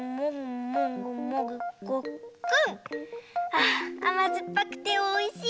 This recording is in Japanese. ああまずっぱくておいしい！